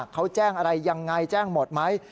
เขาแจ้งอะไรยังไงแจ้งหมดไหม